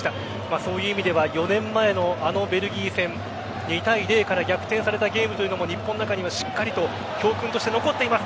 そういう意味では４年前の、あのベルギー戦２対０から逆転されたゲームというのも日本の中には教訓として残っています。